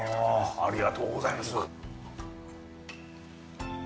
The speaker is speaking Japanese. ありがとうございます。